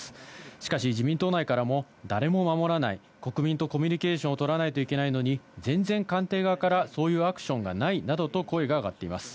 しかし、自民党内からも、誰も守らない、国民とコミュニケーションを取らないといけないのに、全然官邸側からそういうアクションがないなどと声が上がっています。